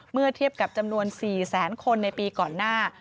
เมื่อเทียบกับจำนวน๔แสนคนในปีก่อนหน้า